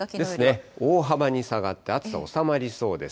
ですね、大幅に下がって暑さ収まりそうです。